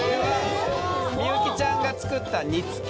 幸ちゃんが作った煮つけ。